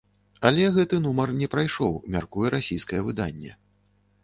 Але гэты нумар не прайшоў, мяркуе расійскае выданне.